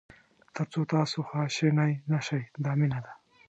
تر څو تاسو خواشینی نه شئ دا مینه ده.